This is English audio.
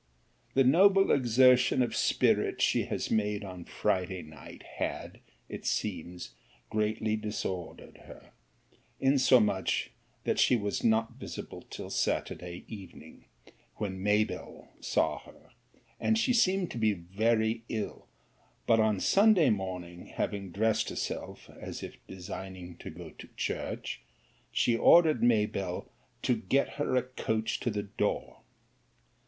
'The noble exertion of spirit she has made on Friday night, had, it seems, greatly disordered her; insomuch that she was not visible till Saturday evening; when Mabell saw her; and she seemed to be very ill: but on Sunday morning, having dressed herself, as if designing to go to church, she ordered Mabell to get her a coach to the door.